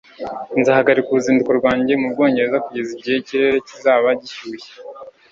nzahagarika uruzinduko rwanjye mu bwongereza kugeza igihe ikirere kizaba gishyushye